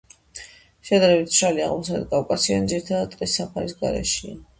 შედარებით მშრალი აღმოსავლეთ კავკასიონი ძირითადად ტყის საფარის გარეშეა.